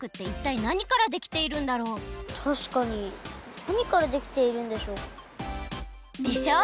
なにからできているんでしょう？でしょ？